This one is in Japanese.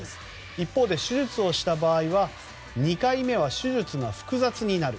一方で手術をした場合は２回目は手術が複雑になる。